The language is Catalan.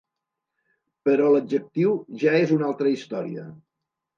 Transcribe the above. Però l'adjectiu ja és una altra història.